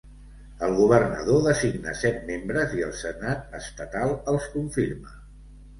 El governador designa set membres i el senat estatal els confirma.